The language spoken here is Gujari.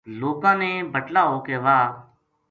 لوکاں نے بٹلا ہو کے واہ